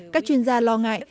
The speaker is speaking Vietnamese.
các chuyên gia lo ngại